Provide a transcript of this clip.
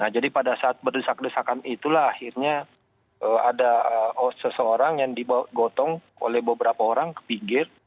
jadi pada saat berdesak desakan itulah akhirnya ada seseorang yang dibawa gotong oleh beberapa orang ke pinggir